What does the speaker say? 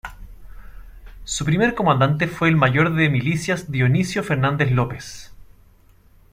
Su primer comandante fue el mayor de milicias Dionisio Fernández López.